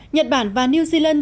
nhật bản và new zealand